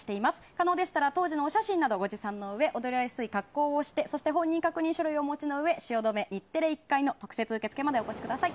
可能でしたら当時の写真などご持参のうえ踊りやすい格好をして本人確認書類をお持ちのうえ汐留、日テレ１階の特設受付までお越しください。